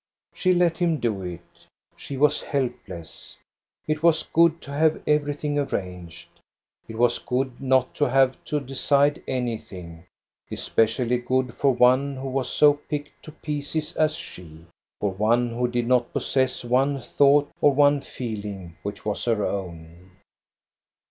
She let him do it. She was helpless. It was good to have everything arranged, it was good not to have to decide anything, especially good for one who was so picked to pieces as she, for one who did not pos sess one thought or one feeling which was her own.